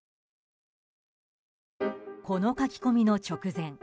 この書き込みの直前